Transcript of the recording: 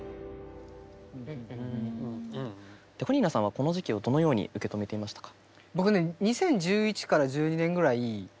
ＤＥＣＯ２７さんはこの時期をどのように受け止めていましたか？